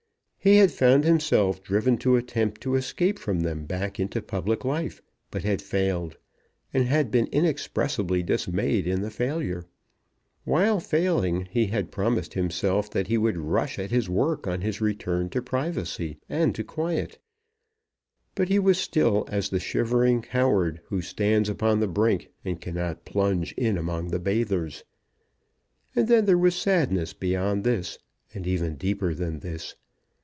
He had found himself driven to attempt to escape from them back into public life; but had failed, and had been inexpressibly dismayed in the failure. While failing, he had promised himself that he would rush at his work on his return to privacy and to quiet; but he was still as the shivering coward, who stands upon the brink, and cannot plunge in among the bathers. And then there was sadness beyond this, and even deeper than this.